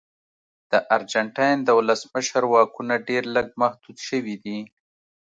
د ارجنټاین د ولسمشر واکونه ډېر لږ محدود شوي دي.